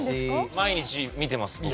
毎日見てます僕。